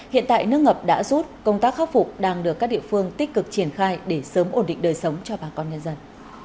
hiện tại nước ngập đã rút công tác khắc phục đang được các địa phương tích cực triển khai để sớm ổn định đời sống cho bà con nhân dân